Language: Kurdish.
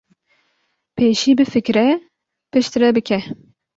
pêşî bifikire piştre bike